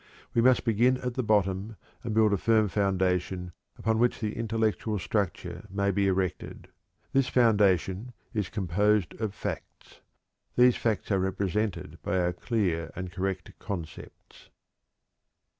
We must begin at the bottom and build a firm foundation upon which the intellectual structure may be erected. This foundation is composed of facts. These facts are represented by our clear and correct concepts.